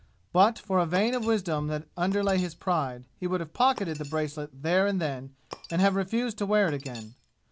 But for a vein of wisdom that underlay his pride he would have pocketed the bracelet there and then and have refused to wear it again.